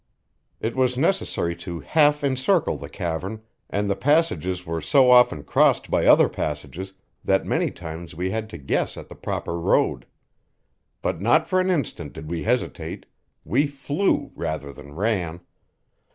It was necessary to half encircle the cavern, and the passages were so often crossed by other passages that many times we had to guess at the proper road. But not for an instant did we hesitate; we flew rather than ran.